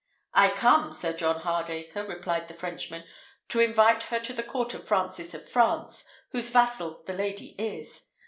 "I come, Sir John Hardacre," answered the Frenchman, "to invite her to the court of Francis of France, whose vassal the lady is."